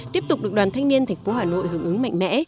tiếp tục được đoàn thanh niên thành phố hà nội hưởng ứng mạnh mẽ